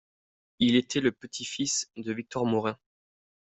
Il était le petit-fils de Victor Morin.